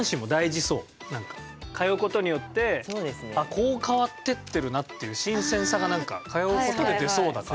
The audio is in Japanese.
通うことによってあこう変わってってるなっていう新鮮さが通うことで出そうだから。